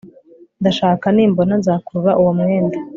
ndashaka. nimbona, nzakurura uwo mwenda